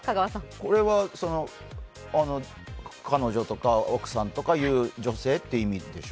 これは彼女とか奥さんとかいう、女性って意味でしょ？